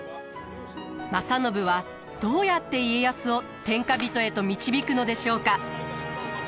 正信はどうやって家康を天下人へと導くのでしょうか？